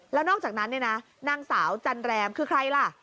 แล้วนอกจากนั้นเนี่ยนะนางสาวจันแรมคือใครล่ะ